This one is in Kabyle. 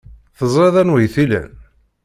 Teẓriḍ anwa ay t-ilan?